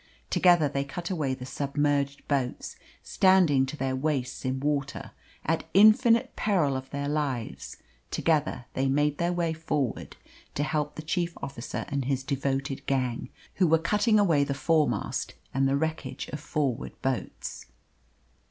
Together they cut away the submerged boats, standing to their waists in water, at infinite peril of their lives; together they made their way forward to help the chief officer and his devoted gang, who were cutting away the foremast and the wreckage of forward boats.